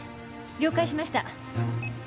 了解しました。